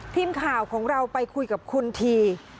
ทีมข่าวของเราไปคุยกับคุณที